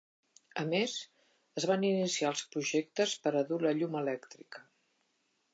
A més, es van iniciar els projectes per a dur la llum elèctrica.